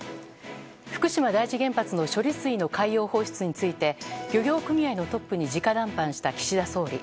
福島第一原発の処理水の海洋放出について漁業組合のトップに直談判した岸田総理。